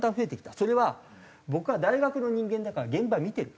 それは僕は大学の人間だから現場で見てる。